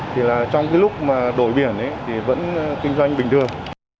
thì là trong cái lúc mà đổi biển thì vẫn kinh doanh bình thường